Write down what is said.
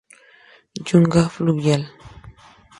Yunga Fluvial.